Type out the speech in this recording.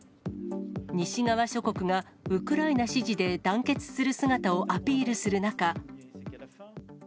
西側諸国がウクライナ支持で団結する姿をアピールする中。